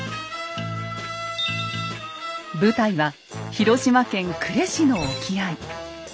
舞台は広島県呉市の沖合。